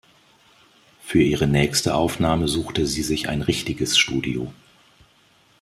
Für ihre nächste Aufnahme suchte sie sich ein richtiges Studio.